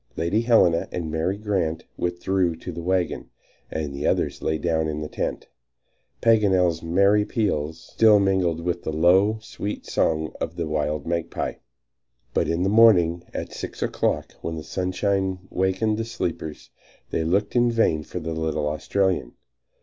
Lady Helena and Mary Grant withdrew to the wagon, and the others lay down in the tent, Paganel's merry peals still mingling with the low, sweet song of the wild magpie. But in the morning at six o'clock, when the sunshine wakened the sleepers, they looked in vain for the little Australian.